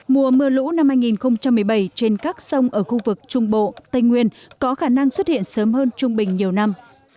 mùa mưa lũ năm hai nghìn một mươi bảy trên các sông ở khu vực trung bộ tây nguyên có khả năng xuất hiện sớm hơn trung bình nhiều năm